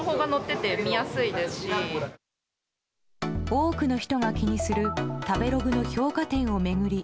多くの人が気にする食べログの評価点を巡り